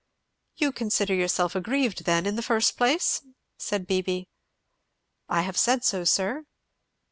"You consider yourself aggrieved, then, in the first place?" said Beebee. "I have said so, sir."